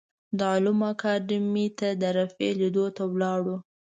د علومو اکاډیمۍ ته د رفیع لیدو ته لاړو.